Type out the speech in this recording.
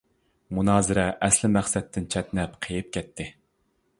مۇنازىرە ئەسلى مەقسەتتىن چەتنەپ قېيىپ كەتتى.